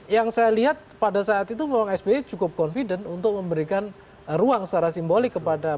yang saya lihat pada saat itu memang sby cukup confident untuk memberikan ruang secara simbolik kepada